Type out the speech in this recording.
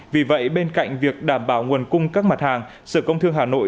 vì vậy bên cạnh việc đảm bảo nguồn cung các mặt hàng sở công thương hà nội